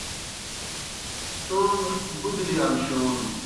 تومی بُدلی امشون